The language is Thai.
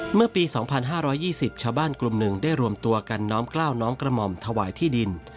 เมื่อปี๒๕๒๐ชาวบ้านกลุ่มหนึ่งได้รวมตัวกันน้อมกล้าวน้อมกระหม่อมถวายที่ดิน